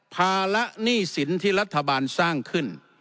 ภาระหนี้สินที่รัฐบาลสร้างขึ้น